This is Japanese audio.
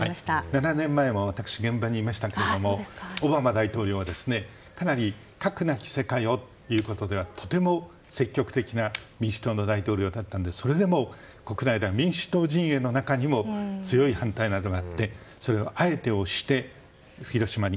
７年前も私現場にいましたけどもオバマ大統領は、かなり核なき世界をということではとても積極的な民主党の大統領だったのでそれでも国内では民主党陣営の中でも強い反対などがあってそれをあえて押して広島に。